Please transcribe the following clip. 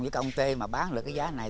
với công ty mà bán lựa ký giá này